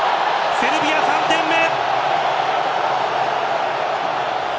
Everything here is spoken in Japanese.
セルビア、３点目！